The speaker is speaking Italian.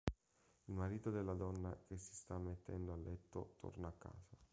Il marito della donna, che si sta mettendo a letto, torna a casa.